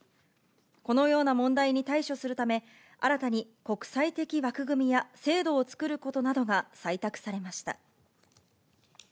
このような問題に対処するため、新たに国際的枠組みや制度を作ることなどが採択されました。